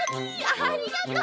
ありがとう。